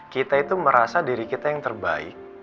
kita itu merasa diri kita yang terbaik